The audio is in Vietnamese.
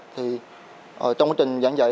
thì trong quá trình giảng dạy